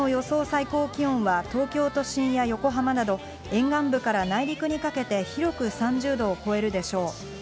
最高気温は東京都心や横浜など、沿岸部から内陸にかけて広く３０度を超えるでしょう。